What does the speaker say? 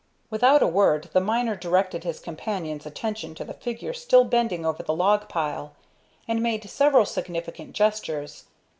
Without a word the miner directed his companion's attention to the figure still bending over the log pile, and made several significant gestures.